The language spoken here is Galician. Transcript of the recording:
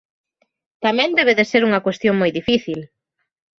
¡Tamén debe de ser unha cuestión moi difícil!